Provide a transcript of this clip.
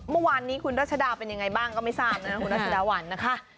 เมื่อวานนี้คุณรัชดาเป็นยังไงบ้างก็ไม่ทราบนะคุณรัชดาวันนะคะ